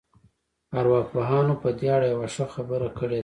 ارواپوهانو په دې اړه يوه ښه خبره کړې ده.